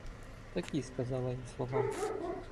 Такі сказала їм слова: